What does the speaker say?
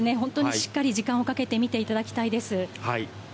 しっかり時間をかけて見ていただきたいです。